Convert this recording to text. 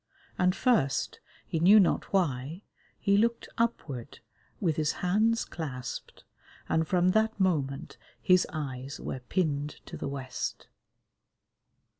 And first, he knew not why, he looked upward, with his hands clasped, and from that moment his eyes were pinned to the west.